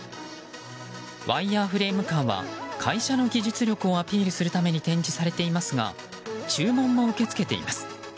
ワイヤーフレームカーは会社の技術力をアピールするために展示されていますが注文も受け付けています。